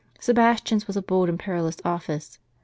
Sebastian's was a bold and perilous office.